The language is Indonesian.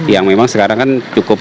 yang memang sekarang kan cukup